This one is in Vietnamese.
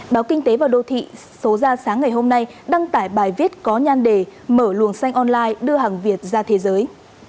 báo kinh tế và đô thị số ra sáng ngày hôm nay đăng tải bài viết có nhan đề mở luồng xanh online đưa hàng việt ra thế giới